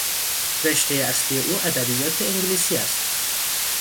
رشته اصلی او ادبیات انگلیسی است.